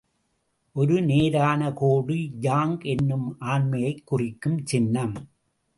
ஒரு நேரான கோடு யாங் எனும் ஆண்மையைக் குறிக்கும் சின்னம்.